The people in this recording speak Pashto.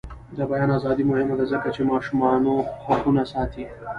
د بیان ازادي مهمه ده ځکه چې ماشومانو حقونه ساتي.